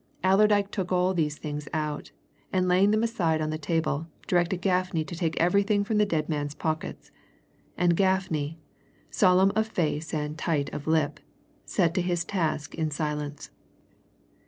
Allerdyke took all these out, and laying them aside on the table, directed Gaffney to take everything from the dead man's pockets. And Gaffney, solemn of face and tight of lip, set to his task in silence.